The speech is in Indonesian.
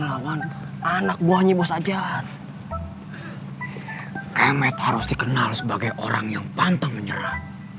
kayaknya matt harus dikenal sebagai orang yang pantang menyerah